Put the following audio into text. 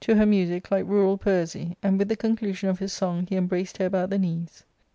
her music like rural poesy ; and with the conclusion of his song he embraced her about the knees.